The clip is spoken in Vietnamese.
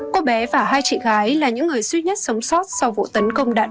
cô bé và hai chị gái là những người duy nhất sống sót sau vụ tấn công đạn